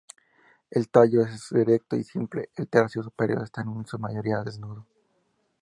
El tallo es erecto y simple, el tercio superior está en su mayoría desnudo.